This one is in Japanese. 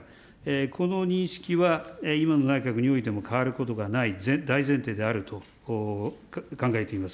この認識は今の内閣においても変わることがない、大前提であると考えています。